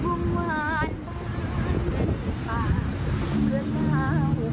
โอ้โห